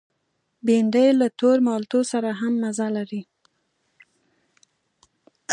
بېنډۍ له تور مالټو سره هم مزه لري